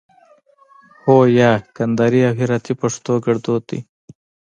هو 👍 یا 👎 کندهاري او هراتي پښتو کړدود دی